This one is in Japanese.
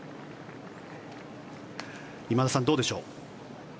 今田さん、どうでしょう。